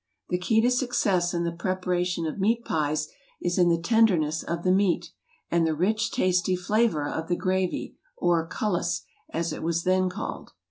The key to success in the prepara¬ tion of meat pies is in the tenderness of the meat and the rich tasty flavor of the gravy, or cullis, as it was then called.